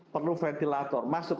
perlu ventilator masuk